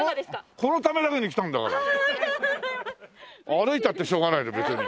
歩いたってしょうがない別に。